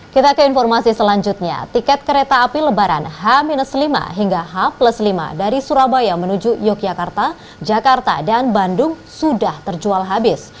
kita ke informasi selanjutnya tiket kereta api lebaran h lima hingga h lima dari surabaya menuju yogyakarta jakarta dan bandung sudah terjual habis